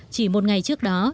chỉ một ngày trước đó